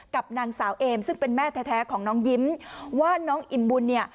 กับนางสาวเอมซึ่งเป็นแม่แท้ของน้องยิ้มว่าน้องอิ่มบุญเนี่ย